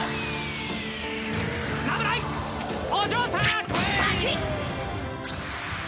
危ないお嬢さん。